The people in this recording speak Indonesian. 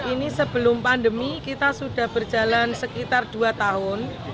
ini sebelum pandemi kita sudah berjalan sekitar dua tahun